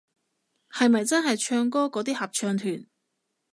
係咪真係唱歌嗰啲合唱團